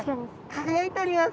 輝いております。